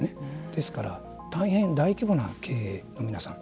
ですから、大変大規模な経営の皆さん。